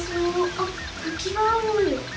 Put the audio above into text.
あったきがある！